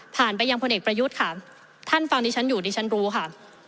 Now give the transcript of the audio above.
ผ่านไปยังพนิประยุทธ์ค่ะท่านฟังที่ฉันอยู่ที่ฉันรู้ค่ะ